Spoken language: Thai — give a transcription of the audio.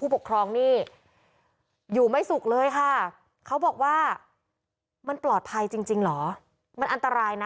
ผู้ปกครองนี่อยู่ไม่สุขเลยค่ะเขาบอกว่ามันปลอดภัยจริงเหรอมันอันตรายนะ